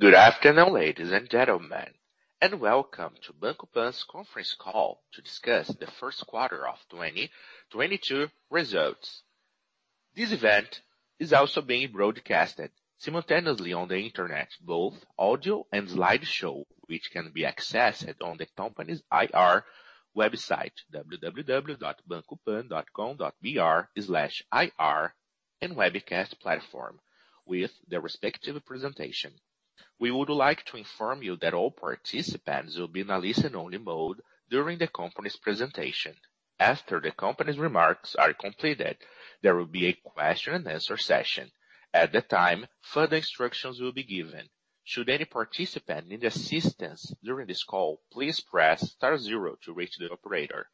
Good afternoon, ladies and gentlemen, and welcome to Banco Pan's conference call to discuss the first quarter of 2022 results. This event is also being broadcasted simultaneously on the Internet, both audio and slideshow, which can be accessed on the company's IR website, www.bancopan.com.br/ir and webcast platform with their respective presentation. We would like to inform you that all participants will be in a listen-only mode during the company's presentation. After the company's remarks are completed, there will be a question and answer session. At the time, further instructions will be given. Should any participant need assistance during this call, please press star zero to reach the operator.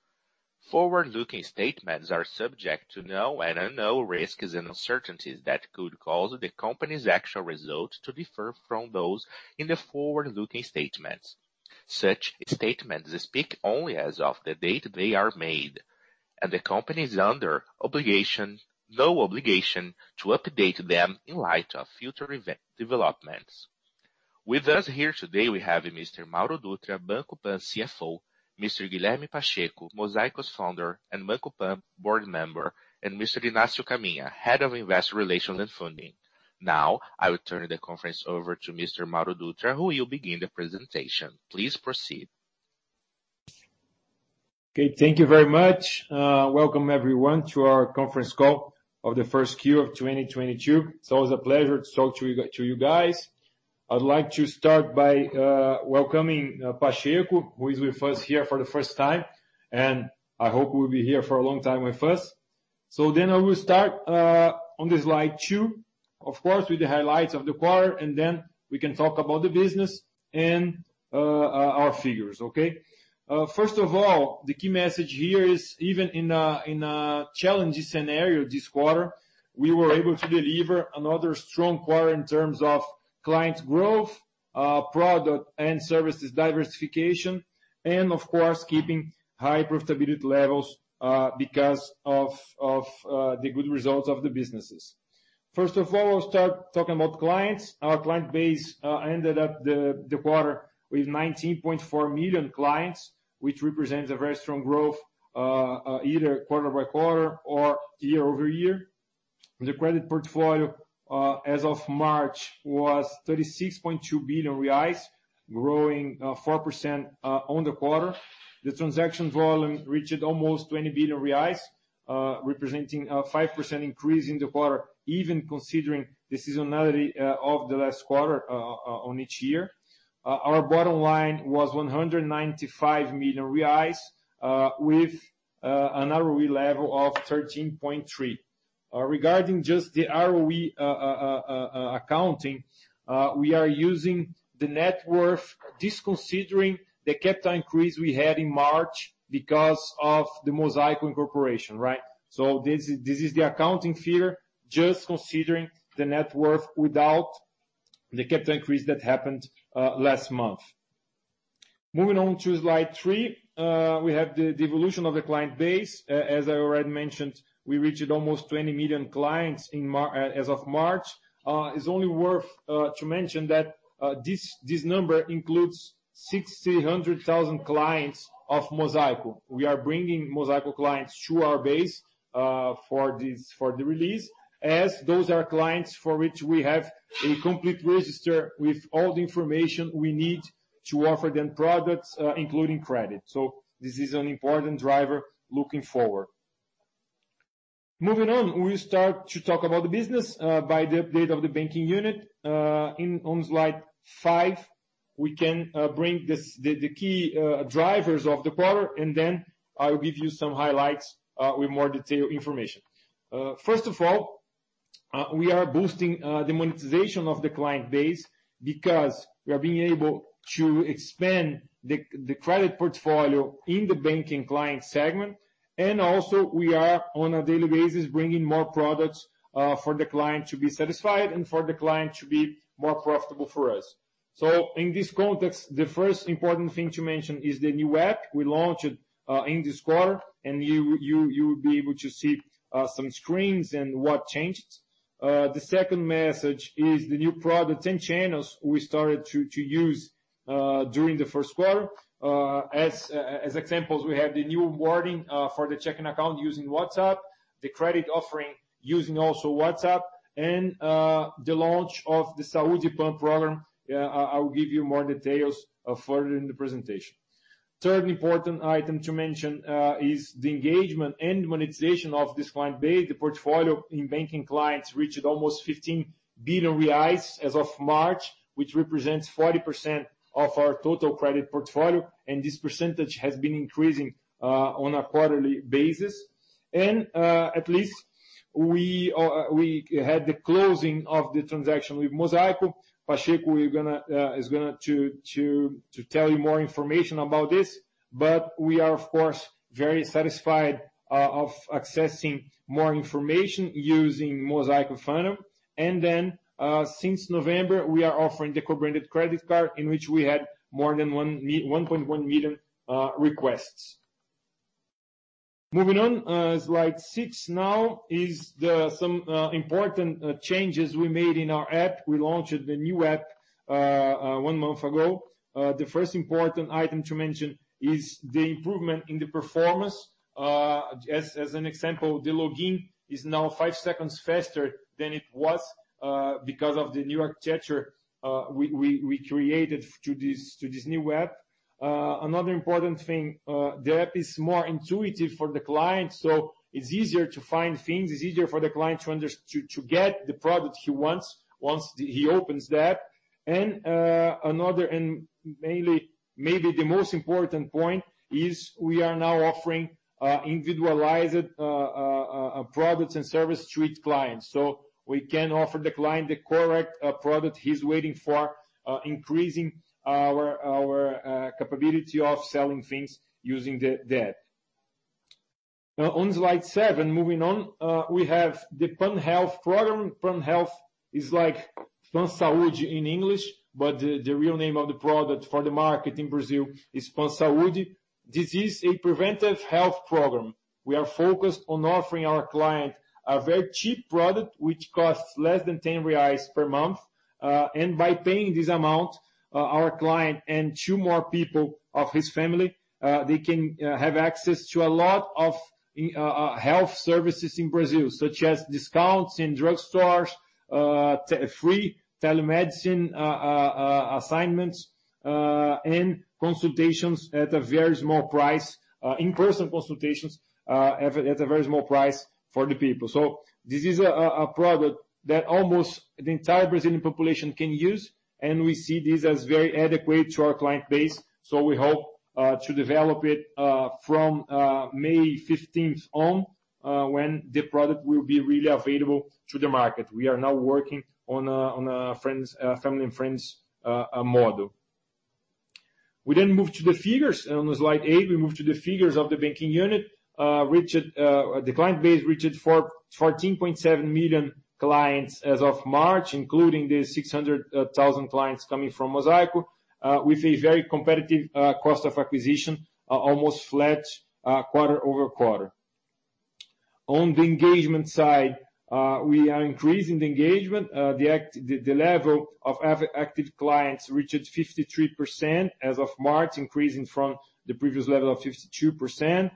Forward-looking statements are subject to known and unknown risks and uncertainties that could cause the company's actual results to differ from those in the forward-looking statements. Such statements speak only as of the date they are made, and the company is under no obligation to update them in light of future events or developments. With us here today, we have Mr. Mauro Dutra, Banco Pan CFO, Mr. Guilherme Pacheco, Mosaico Founder and Banco Pan Board Member, and Mr. Inácio Caminha, Head of Investor Relations and Funding. Now, I will turn the conference over to Mr. Mauro Dutra, who will begin the presentation. Please proceed. Okay. Thank you very much. Welcome everyone to our conference call of the first quarter of 2022. It's always a pleasure to talk to you guys. I'd like to start by welcoming Pacheco, who is with us here for the first time, and I hope he will be here for a long time with us. I will start on slide two, of course, with the highlights of the quarter, and then we can talk about the business and our figures, okay? First of all, the key message here is even in a challenging scenario this quarter, we were able to deliver another strong quarter in terms of client growth, product and services diversification, and of course, keeping high profitability levels, because of the good results of the businesses. First of all, I'll start talking about clients. Our client base ended the quarter with 19.4 million clients, which represents a very strong growth, either quarter-by-quarter or year-over-year. The credit portfolio as of March was 36.2 billion reais, growing 4% on the quarter. The transaction volume reached almost 20 billion reais, representing a 5% increase in the quarter, even considering the seasonality of the last quarter on each year. Our bottom line was 195 million reais, with an ROE level of 13.3%. Regarding just the ROE accounting, we are using the net worth, disconsidering the capital increase we had in March because of the Mosaico incorporation, right? This is the accounting figure, just considering the net worth without the capital increase that happened last month. Moving on to slide three, we have the evolution of the client base. As I already mentioned, we reached almost 20 million clients as of March. It's only worth to mention that this number includes 600,000 clients of Mosaico. We are bringing Mosaico clients to our base, for this, for the release, as those are clients for which we have a complete register with all the information we need to offer them products, including credit. This is an important driver looking forward. Moving on, we start to talk about the business by the update of the banking unit. On slide five, we can bring this, the key drivers of the quarter, and then I will give you some highlights with more detailed information. First of all, we are boosting the monetization of the client base because we are being able to expand the the credit portfolio in the banking client segment. Also, we are on a daily basis bringing more products for the client to be satisfied and for the client to be more profitable for us. In this context, the first important thing to mention is the new app. We launched it in this quarter, and you will be able to see some screens and what changed. The second message is the new products and channels we started to use during the first quarter. As examples, we have the new onboarding for the checking account using WhatsApp, the credit offering using also WhatsApp, and the launch of the Saúde PAN program. I will give you more details further in the presentation. Third important item to mention is the engagement and monetization of this client base. The portfolio in banking clients reached almost 15 billion reais as of March, which represents 40% of our total credit portfolio, and this percentage has been increasing on a quarterly basis. At least we had the closing of the transaction with Mosaico. Pacheco is gonna to tell you more information about this, but we are of course very satisfied of accessing more information using Mosaico funding. Since November, we are offering the co-branded credit card, in which we had more than 1.1 million requests. Moving on, slide six now is some important changes we made in our app. We launched the new app one month ago. The first important item to mention is the improvement in the performance. As an example, the login is now five seconds faster than it was, because of the new architecture we created to this new app. Another important thing, the app is more intuitive for the client, so it's easier to find things. It's easier for the client to get the product he wants once he opens the app. Another and mainly. Maybe the most important point is we are now offering individualized products and service to each client. We can offer the client the correct product he's waiting for increasing our capability of selling things using the app. On slide seven, moving on, we have the Pan Health program. Pan Health is like Pan Saúde in English, but the real name of the product for the market in Brazil is Pan Saúde. This is a preventive health program. We are focused on offering our client a very cheap product which costs less than 10 reais per month. By paying this amount, our client and two more people of his family, they can have access to a lot of health services in Brazil, such as discounts in drugstores, fee-free telemedicine, assistance, and consultations at a very small price, in-person consultations at a very small price for the people. This is a product that almost the entire Brazilian population can use, and we see this as very adequate to our client base, so we hope to develop it from May 15th on, when the product will be really available to the market. We are now working on a friends and family model. We move to the figures. On slide eight, we move to the figures of the banking unit. The client base reached 14.7 million clients as of March, including the 600,000 clients coming from Mosaico, with a very competitive cost of acquisition, almost flat quarter-over-quarter. On the engagement side, we are increasing the engagement. The level of active clients reached 53% as of March, increasing from the previous level of 52%.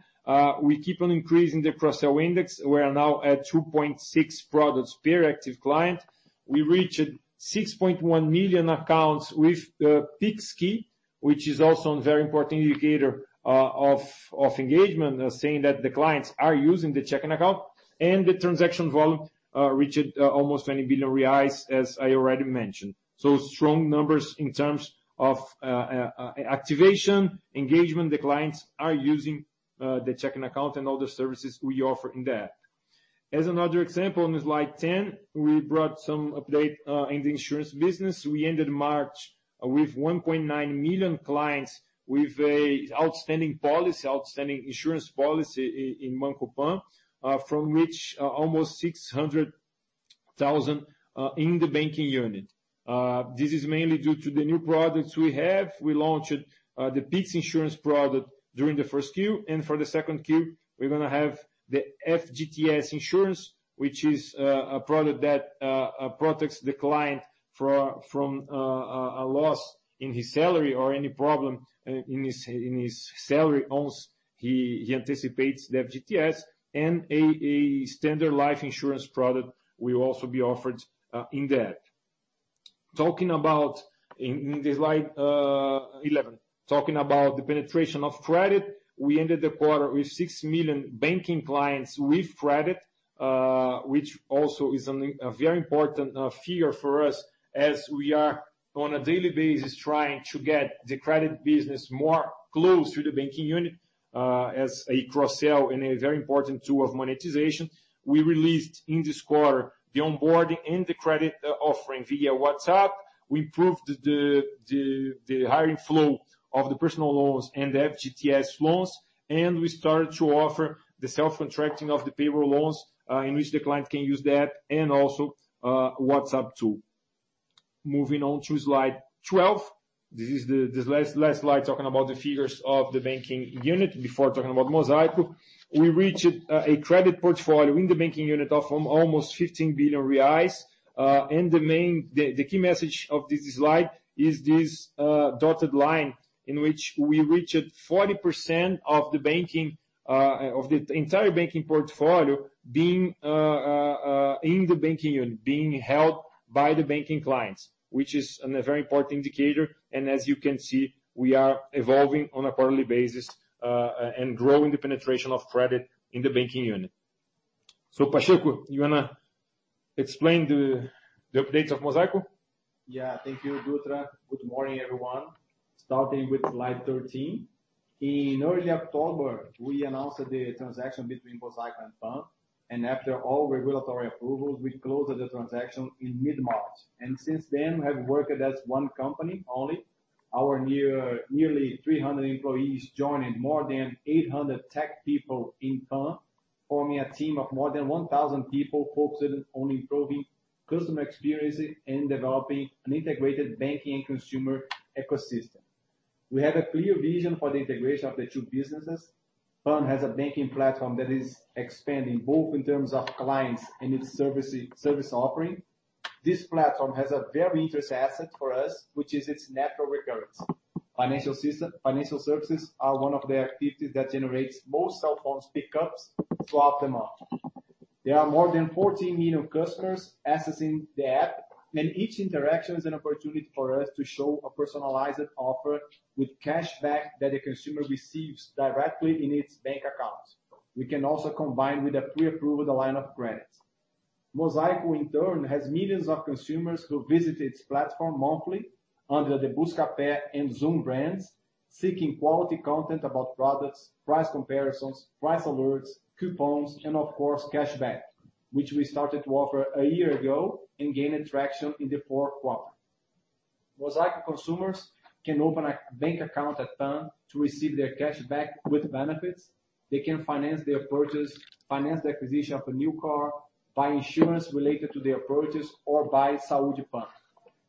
We keep on increasing the cross-sell index. We are now at 2.6 products per active client. We reached 6.1 million accounts with the Pix key, which is also a very important indicator of engagement, saying that the clients are using the checking account and the transaction volume reached almost 20 billion reais, as I already mentioned. Strong numbers in terms of activation, engagement. The clients are using the checking account and all the services we offer in the app. As another example, on slide 10, we brought some update in the insurance business. We ended March with 1.9 million clients with an outstanding insurance policy in Banco Pan, from which almost 600,000 in the banking unit. This is mainly due to the new products we have. We launched the Seguro PIX product during the first quater. For the Q2, we're gonna have the FGTS insurance, which is a product that protects the client from a loss in his salary or any problem in his salary once he anticipates the FGTS and a standard life insurance product will also be offered in the app. In the slide 11. Talking about the penetration of credit, we ended the quarter with 6 million banking clients with credit, which also is a very important figure for us as we are on a daily basis trying to get the credit business more close to the banking unit as a cross-sell and a very important tool of monetization. We released in this quarter the onboarding and the credit offering via WhatsApp. We improved the hiring flow of the personal loans and the FGTS loans, and we started to offer the self-contracting of the payroll loans, in which the client can use the app and also WhatsApp too. Moving on to slide 12. This is the last slide talking about the figures of the banking unit before talking about Mosaico. We reached a credit portfolio in the banking unit of almost 15 billion reais. The key message of this slide is this dotted line in which we reached 40% of the banking, of the entire banking portfolio being in the banking unit, being held by the banking clients, which is a very important indicator. As you can see, we are evolving on a quarterly basis, and growing the penetration of credit in the banking unit. Pacheco, you wanna explain the updates of Mosaico? Yeah. Thank you, Mauro Dutra. Good morning, everyone. Starting with slide 13. In early October, we announced the transaction between Mosaico and Pan, and after all regulatory approvals, we closed the transaction in mid-March. Since then, we have worked as one company only. Our nearly 300 employees joined more than 800 tech people in Pan, forming a team of more than 1,000 people focused on improving customer experience and developing an integrated banking consumer ecosystem. We have a clear vision for the integration of the two businesses. PAN has a banking platform that is expanding both in terms of clients and its services, service offering. This platform has a very interesting asset for us, which is its natural recurrence. Financial services are one of the activities that generates most cell phone pickups throughout the month. There are more than 14 million customers accessing the app, and each interaction is an opportunity for us to show a personalized offer with cashback that a consumer receives directly in its bank account. We can also combine with a pre-approved line of credit. Mosaico, in turn, has millions of consumers who visit its platform monthly under the Buscapé and Zoom brands, seeking quality content about products, price comparisons, price alerts, coupons, and of course, cashback, which we started to offer a year ago and gain attraction in the fourth quarter. Mosaico consumers can open a bank account at PAN to receive their cashback with benefits. They can finance their purchase, finance the acquisition of a new car, buy insurance related to their purchase, or buy Saúde PAN.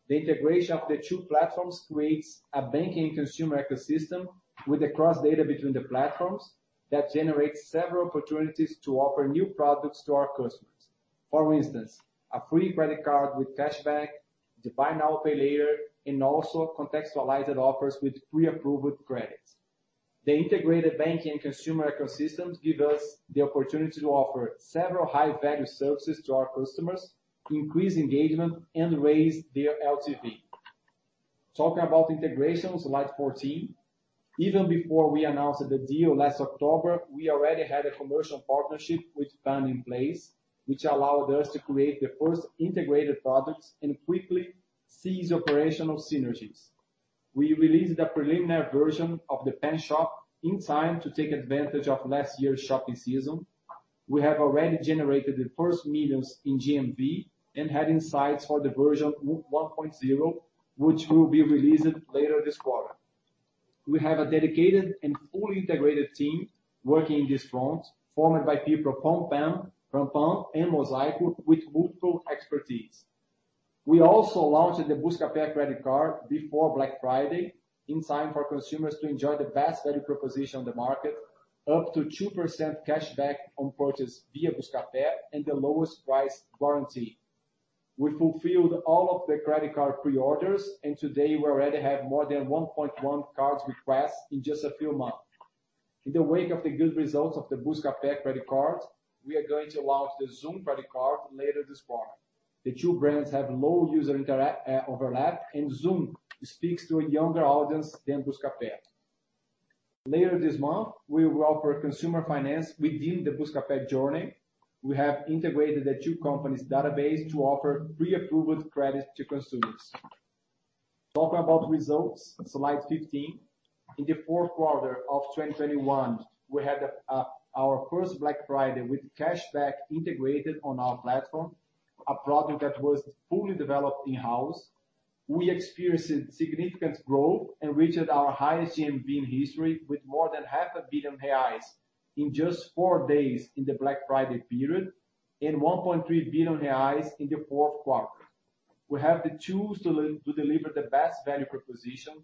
The integration of the two platforms creates a banking consumer ecosystem with the cross data between the platforms that generates several opportunities to offer new products to our customers. For instance, a free credit card with cashback, the Buy Now, Pay Later, and also contextualized offers with pre-approved credit. The integrated banking and consumer ecosystem give us the opportunity to offer several high-value services to our customers, increase engagement, and raise their LTV. Talking about integration, slide 14. Even before we announced the deal last October, we already had a commercial partnership with PAN in place, which allowed us to create the first integrated products and quickly seize operational synergies. We released the preliminary version of the Pan Shop in time to take advantage of last year's shopping season. We have already generated the first millions in GMV and had insights for the version 1.0, which will be released later this quarter. We have a dedicated and fully integrated team working in this front, formed by people from PAN and Mosaico with multiple expertise. We also launched the Buscapé credit card before Black Friday, in time for consumers to enjoy the best value proposition on the market, up to 2% cashback on purchase via Buscapé, and the lowest price guarantee. We fulfilled all of the credit card pre-orders, and today we already have more than 1.1 million card requests in just a few months. In the wake of the good results of the Buscapé credit card, we are going to launch the Zoom credit card later this quarter. The two brands have low user overlap, and Zoom speaks to a younger audience than Buscapé. Later this month, we will offer consumer finance within the Buscapé journey. We have integrated the two companies' database to offer pre-approved credit to consumers. Talking about results, slide 15. In the fourth quarter of 2021, we had our first Black Friday with cashback integrated on our platform, a product that was fully developed in-house. We experienced significant growth and reached our highest GMV in history with more than half a billion BRL in just four days in the Black Friday period and 1.3 billion reais in the fourth quarter. We have the tools to deliver the best value proposition,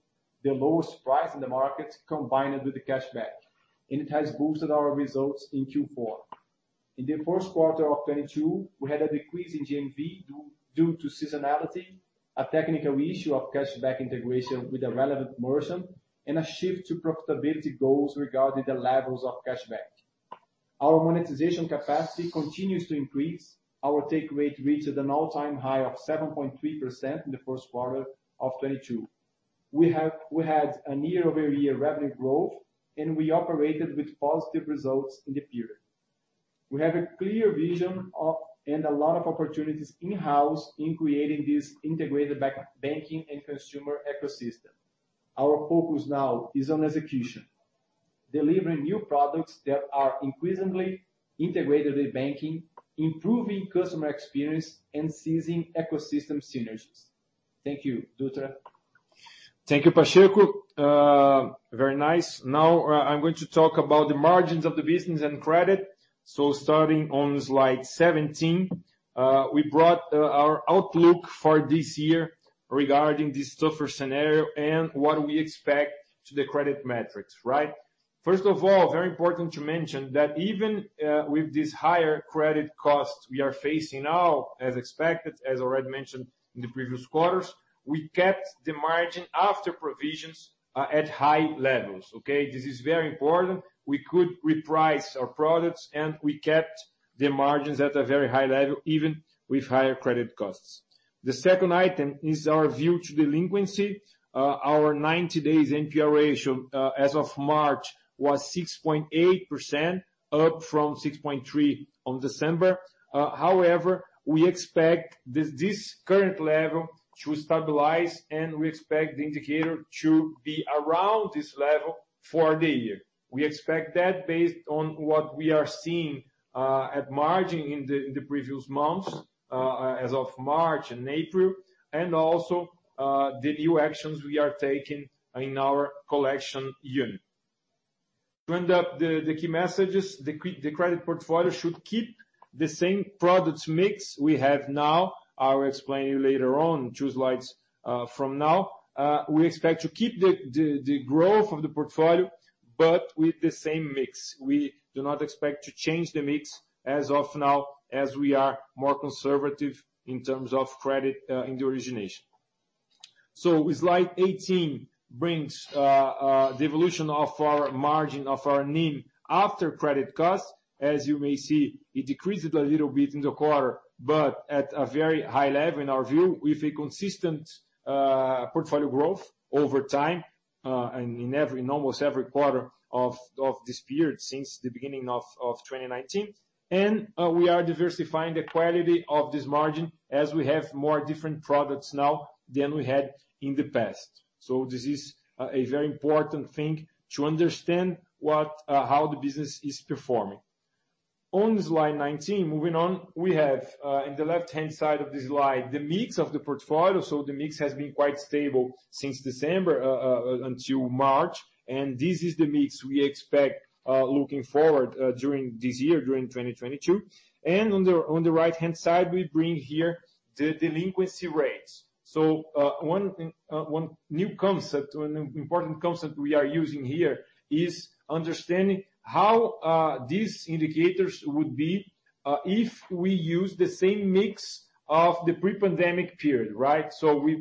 the lowest price in the market, combined with the cashback, and it has boosted our results in Q4. In the first quarter of 2022, we had a decrease in GMV due to seasonality, a technical issue of cashback integration with a relevant merchant, and a shift to profitability goals regarding the levels of cashback. Our monetization capacity continues to increase. Our take rate reached an all-time high of 7.3% in the first quarter of 2022. We had a year-over-year revenue growth, and we operated with positive results in the period. We have a clear vision of and a lot of opportunities in-house in creating this integrated bank-banking and consumer ecosystem. Our focus now is on execution, delivering new products that are increasingly integrated with banking, improving customer experience, and seizing ecosystem synergies. Thank you. Dutra. Thank you, Pacheco. Very nice. Now, I'm going to talk about the margins of the business and credit. Starting on slide 17, we brought our outlook for this year regarding this tougher scenario and what we expect to the credit metrics, right? First of all, very important to mention that even with this higher credit costs we are facing now, as expected, as already mentioned in the previous quarters, we kept the margin after provisions at high levels, okay? This is very important. We could reprice our products, and we kept the margins at a very high level, even with higher credit costs. The second item is our view to delinquency. Our 90 days NPL ratio, as of March, was 6.8%, up from 6.3% on December. However, we expect this current level to stabilize, and we expect the indicator to be around this level for the year. We expect that based on what we are seeing at margin in the previous months as of March and April, and also the new actions we are taking in our collection unit. To wrap up the key messages, the credit portfolio should keep the same product mix we have now. I will explain to you later on, two slides from now. We expect to keep the growth of the portfolio, but with the same mix. We do not expect to change the mix as of now, as we are more conservative in terms of credit in the origination. Slide 18 brings the evolution of our margin, of our NIM after credit costs. As you may see, it decreased a little bit in the quarter, but at a very high level in our view, with a consistent portfolio growth over time, and in almost every quarter of this period since the beginning of 2019. We are diversifying the quality of this margin as we have more different products now than we had in the past. This is a very important thing to understand how the business is performing. On slide 19, moving on, we have in the left-hand side of this slide, the mix of the portfolio. The mix has been quite stable since December until March, and this is the mix we expect looking forward during this year, during 2022. On the right-hand side, we bring here the delinquency rates. One new concept, one important concept we are using here is understanding how these indicators would be if we use the same mix of the pre-pandemic period, right?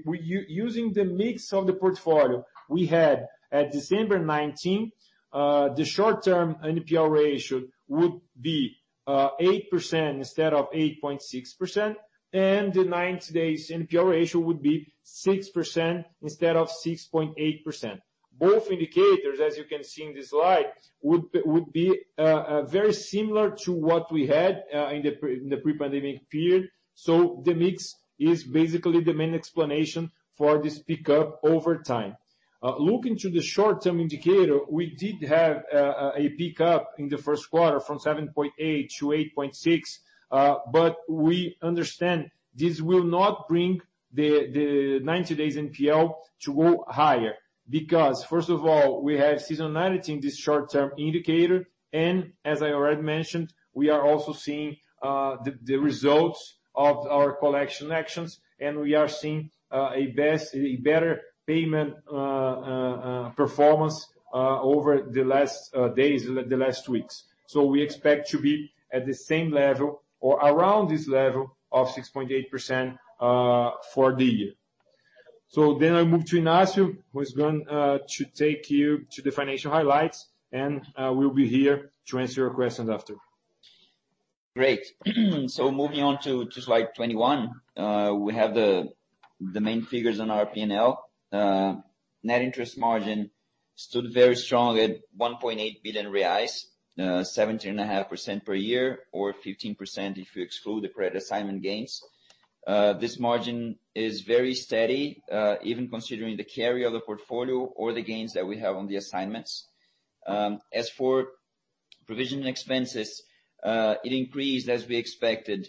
We using the mix of the portfolio we had at December 2019, the short-term NPL ratio would be 8% instead of 8.6%, and the 90 days NPL ratio would be 6% instead of 6.8%. Both indicators, as you can see in this slide, would be very similar to what we had in the pre-pandemic period. The mix is basically the main explanation for this pickup over time. Looking to the short-term indicator, we did have a pickup in the first quarter from 7.8% to 8.6%. We understand this will not bring the 90 days NPL to go higher because first of all, we have seasonality in this short-term indicator. As I already mentioned, we are also seeing the results of our collection actions, and we are seeing a better payment performance over the last days, the last weeks. We expect to be at the same level or around this level of 6.8% for the year. I move to Inácio, who is going to take you to the financial highlights, and we'll be here to answer your questions after. Great. Moving on to slide 21. We have the main figures on our P&L. Net interest margin stood very strong at 1.8 billion reais, 17.5% per year or 15% if you exclude the credit assignment gains. This margin is very steady, even considering the carry of the portfolio or the gains that we have on the assignments. As for provision expenses, it increased as we expected,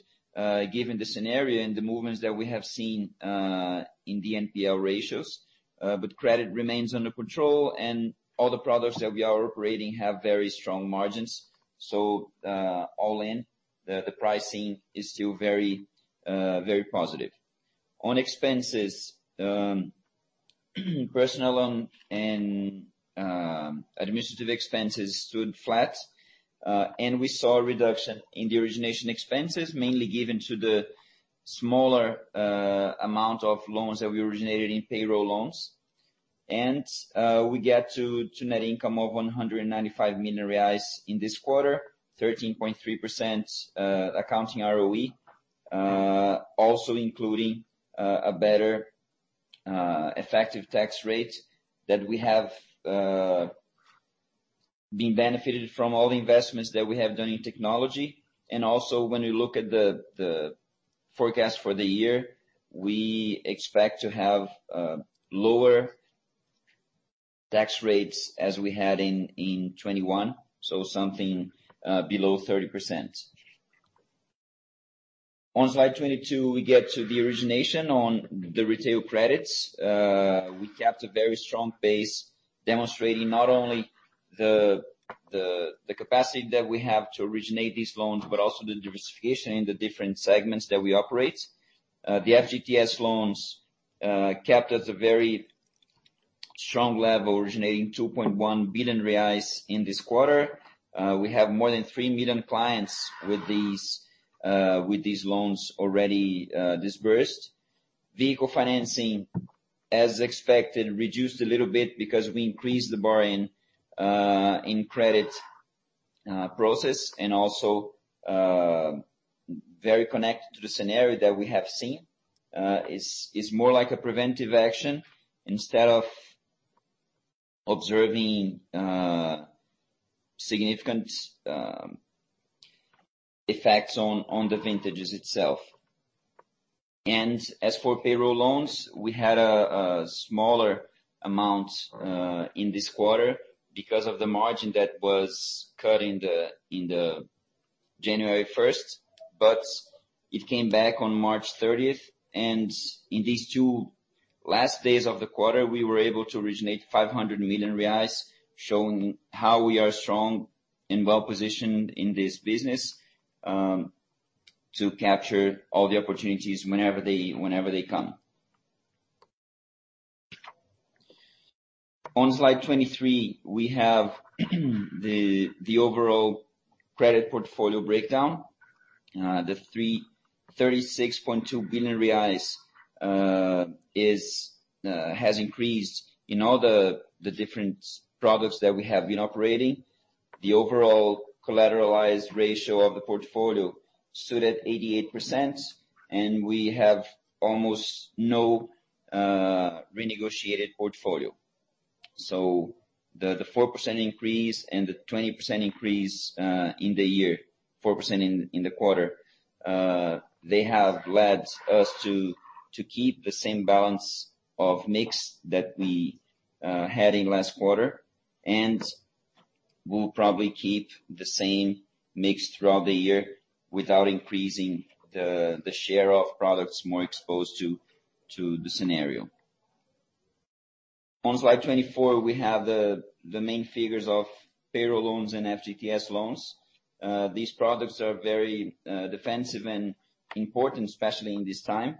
given the scenario and the movements that we have seen, in the NPL ratios. But credit remains under control and all the products that we are operating have very strong margins. All in, the pricing is still very, very positive. On expenses, personnel and administrative expenses stood flat. We saw a reduction in the origination expenses, mainly due to the smaller amount of loans that we originated in payroll loans. We get to net income of 195 million reais in this quarter, 13.3% accounting ROE. Also including a better effective tax rate that we have been benefited from all the investments that we have done in technology. Also when we look at the forecast for the year, we expect to have lower tax rates as we had in 2021, so something below 30%. On slide 22, we get to the origination on the retail credits. We kept a very strong pace demonstrating not only the capacity that we have to originate these loans, but also the diversification in the different segments that we operate. The FGTS loans kept at a very strong level, originating 2.1 billion reais in this quarter. We have more than 3 million clients with these loans already disbursed. Vehicle financing, as expected, reduced a little bit because we increased the borrowing in credit process and also very connected to the scenario that we have seen. It's more like a preventive action instead of observing significant effects on the vintages itself. As for payroll loans, we had a smaller amount in this quarter because of the margin that was cut in the January 1st, but it came back on March 30th. In these two last days of the quarter, we were able to originate 500 million reais, showing how we are strong and well-positioned in this business to capture all the opportunities whenever they come. On slide 23, we have the overall credit portfolio breakdown. The 36.2 billion reais has increased in all the different products that we have been operating. The overall collateralized ratio of the portfolio stood at 88%, and we have almost no renegotiated portfolio. The 4% increase and the 20% increase in the year, 4% in the quarter, they have led us to keep the same balance of mix that we had in last quarter. We'll probably keep the same mix throughout the year without increasing the share of products more exposed to the scenario. On slide 24, we have the main figures of payroll loans and FGTS loans. These products are very defensive and important, especially in this time.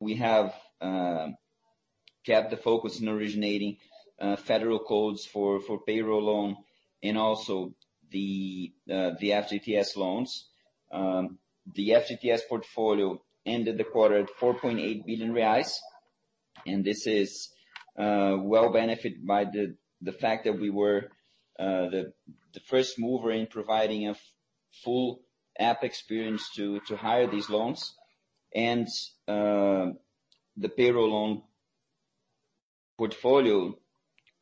We have kept the focus in originating federal codes for payroll loan and also the FGTS loans. The FGTS portfolio ended the quarter at 4.8 billion reais, and this is well benefited by the fact that we were the first mover in providing a full app experience to hire these loans. The payroll loan portfolio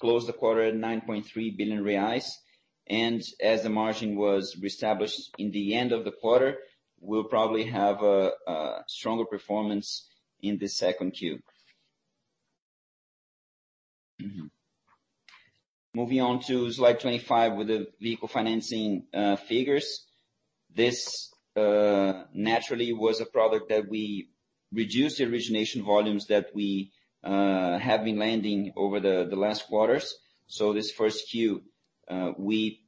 closed the quarter at 9.3 billion reais. As the margin was reestablished in the end of the quarter, we'll probably have a stronger performance in the second Q. Moving on to slide 25 with the vehicle financing figures. This naturally was a product that we reduced the origination volumes that we have been lending over the last quarters. This first Q, we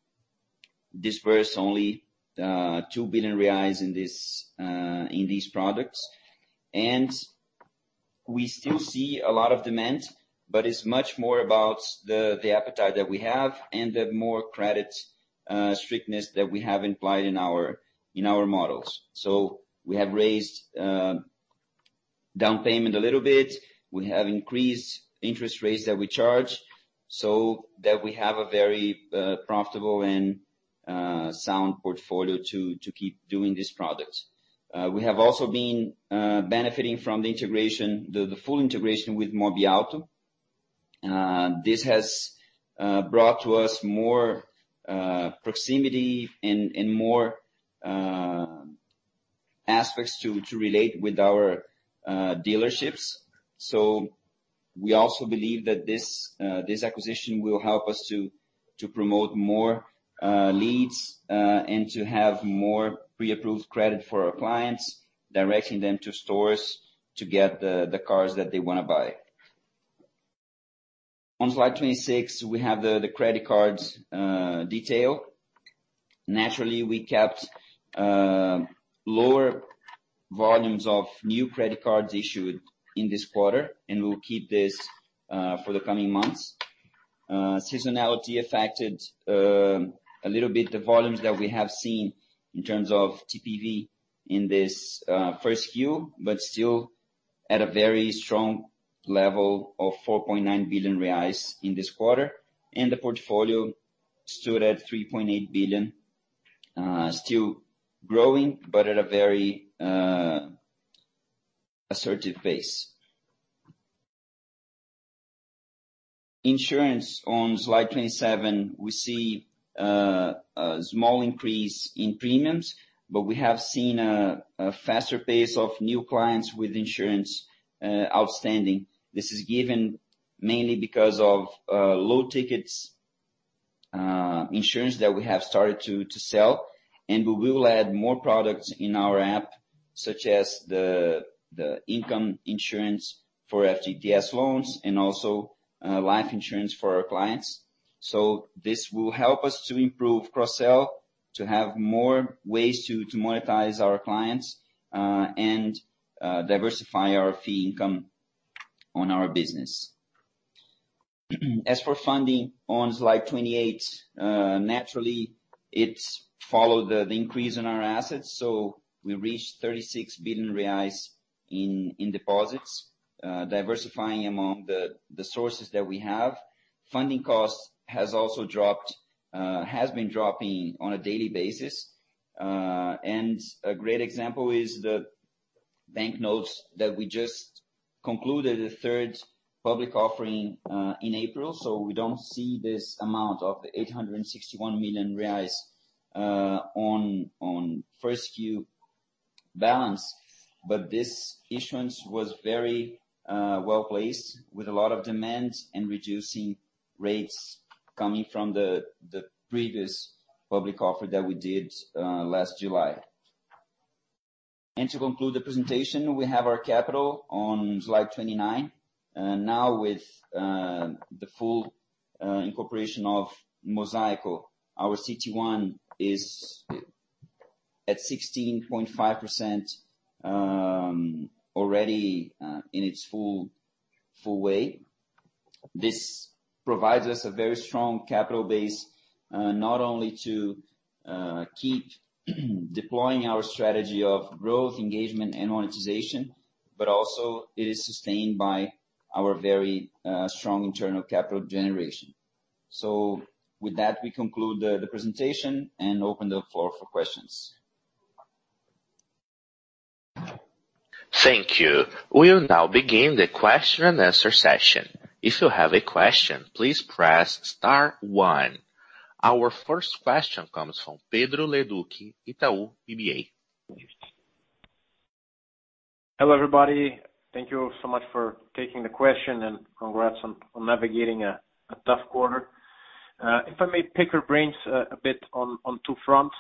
dispersed only 2 billion reais in this in these products. We still see a lot of demand, but it's much more about the appetite that we have and the more credit strictness that we have implied in our models. We have raised down payment a little bit. We have increased interest rates that we charge, so that we have a very profitable and sound portfolio to keep doing this product. We have also been benefiting from the integration, the full integration with Mobiauto. This has brought to us more proximity and more aspects to relate with our dealerships. We also believe that this acquisition will help us to promote more leads and to have more pre-approved credit for our clients, directing them to stores to get the cars that they wanna buy. On slide 26, we have the credit cards detail. Naturally, we kept lower volumes of new credit cards issued in this quarter, and we'll keep this for the coming months. Seasonality affected a little bit the volumes that we have seen in terms of TPV in this first Q, but still at a very strong level of 4.9 billion reais in this quarter, and the portfolio stood at 3.8 billion, still growing, but at a very assertive pace. Insurance on slide 27, we see a small increase in premiums, but we have seen a faster pace of new clients with insurance outstanding. This is given mainly because of low tickets insurance that we have started to sell, and we will add more products in our app, such as the income insurance for FGTS loans and also life insurance for our clients. This will help us to improve cross-sell, to have more ways to monetize our clients, and diversify our fee income on our business. As for funding on slide 28, naturally it's followed the increase in our assets. We reached 36 billion reais in deposits, diversifying among the sources that we have. Funding costs has also dropped, has been dropping on a daily basis. A great example is the banknotes that we just concluded a third public offering in April, so we don't see this amount of 861 million reais on first Q. Balance. This issuance was very, well-placed with a lot of demand and reducing rates coming from the previous public offer that we did, last July. To conclude the presentation, we have our capital on slide 29. Now with the full incorporation of Mosaico, our CET1 is at 16.5%, already in its full way. This provides us a very strong capital base, not only to keep deploying our strategy of growth, engagement, and monetization, but also it is sustained by our very strong internal capital generation. With that, we conclude the presentation and open the floor for questions. Thank you. We'll now begin the question and answer session. If you have a question, please press star one. Our first question comes from Pedro Leduc, Itaú BBA. Hello, everybody. Thank you so much for taking the question, and congrats on navigating a tough quarter. If I may pick your brains a bit on two fronts.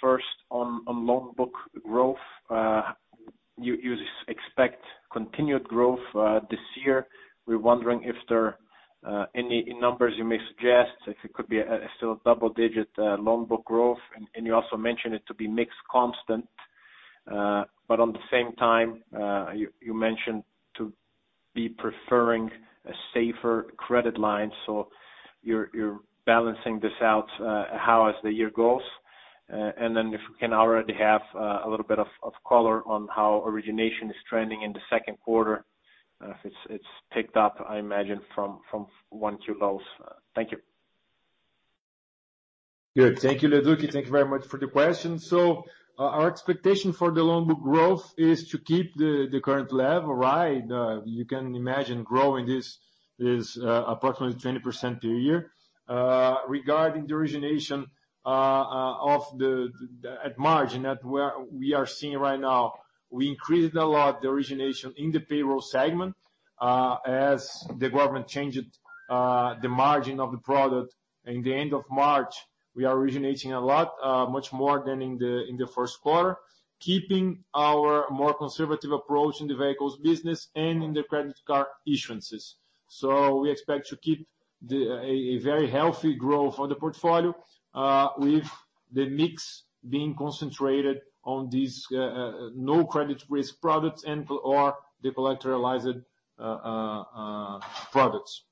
First, on loan book growth. You expect continued growth this year. We're wondering if there any numbers you may suggest, if it could be still a double digit loan book growth. You also mentioned it to be mix constant. But at the same time, you mentioned to be preferring a safer credit line, so you're balancing this out how as the year goes. Then if we can already have a little bit of color on how origination is trending in the second quarter, if it's ticked up, I imagine, from 1Q lows. Thank you. Good. Thank you, Leduc. Thank you very much for the question. Our expectation for the loan book growth is to keep the current level, right. You can imagine this is growing approximately 20% per year. Regarding the origination at the margin where we are seeing right now, we increased a lot the origination in the payroll segment as the government changed the margin of the product in the end of March. We are originating a lot much more than in the first quarter, keeping our more conservative approach in the vehicles business and in the credit card issuances. We expect to keep a very healthy growth for the portfolio with the mix being concentrated on these no credit risk products and/or the collateralized products.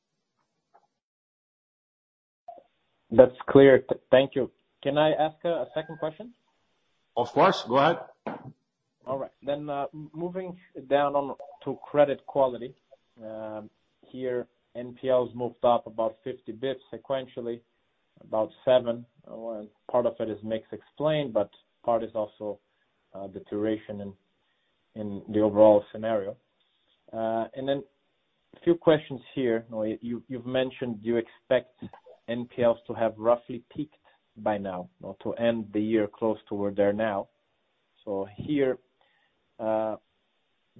That's clear. Thank you. Can I ask a second question? Of course. Go ahead. All right. Moving down onto credit quality. Here NPLs moved up about 50 basis points sequentially, about 7%. Part of it is mix explained, but part is also the duration in the overall scenario. A few questions here. You've mentioned you expect NPLs to have roughly peaked by now or to end the year close toward there now. Here,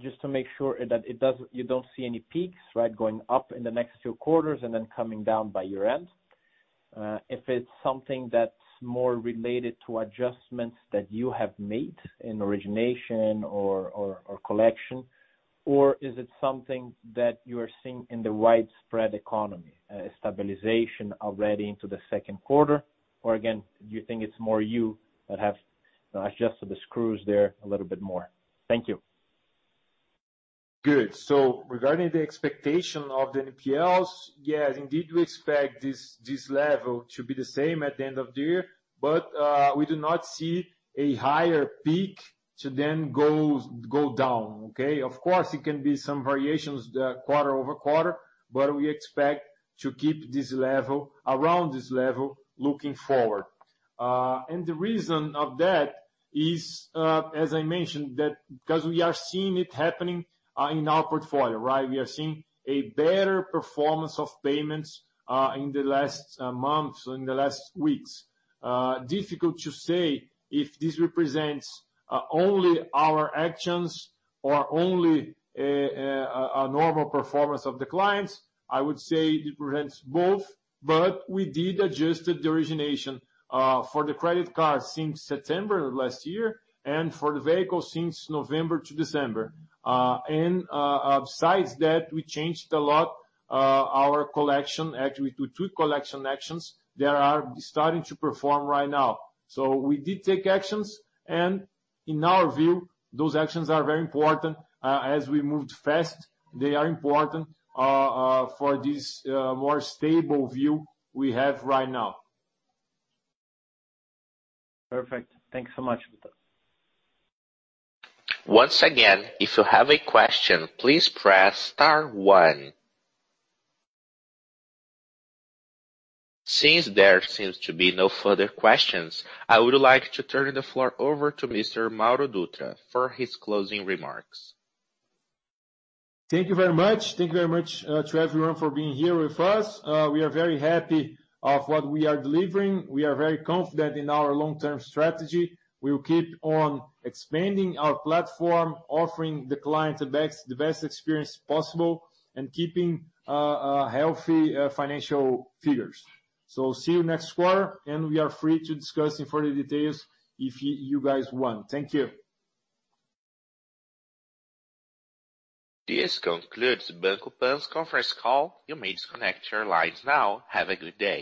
just to make sure that it doesn't. You don't see any peaks, right, going up in the next two quarters and then coming down by year-end. If it's something that's more related to adjustments that you have made in origination or collection, or is it something that you are seeing in the widespread economy, a stabilization already into the second quarter? Again, do you think it's more you that have adjusted the screws there a little bit more? Thank you. Good. Regarding the expectation of the NPLs, yes, indeed, we expect this level to be the same at the end of the year, but we do not see a higher peak to then go down. Okay? Of course, it can be some variations quarter-over-quarter, but we expect to keep this level, around this level looking forward. The reason of that is, as I mentioned, that because we are seeing it happening in our portfolio, right? We are seeing a better performance of payments in the last months, in the last weeks. Difficult to say if this represents only our actions or only a normal performance of the clients. I would say it represents both, but we did adjust the origination, for the credit card since September of last year and for the vehicle since November to December. Besides that, we changed a lot, our collection. Actually, we do two collection actions that are starting to perform right now. We did take actions and in our view, those actions are very important, as we moved fast. They are important, for this, more stable view we have right now. Perfect. Thank you so much, Dutra. Once again, if you have a question, please press star one. Since there seems to be no further questions, I would like to turn the floor over to Mr. Mauro Dutra for his closing remarks. Thank you very much. Thank you very much to everyone for being here with us. We are very happy of what we are delivering. We are very confident in our long-term strategy. We will keep on expanding our platform, offering the client the best experience possible and keeping healthy financial figures. See you next quarter, and we are free to discuss in further details if you guys want. Thank you. This concludes Banco Pan's conference call. You may disconnect your lines now. Have a good day.